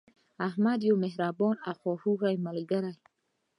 احمد یو مهربانه او خواخوږی ملګری